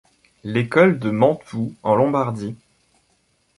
L'école de Mantoue, en Lombardie...